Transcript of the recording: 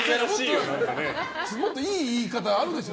もっといい言い方があるでしょ。